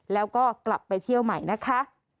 แล้วก็กลับไปเที่ยวใหม่นะคะ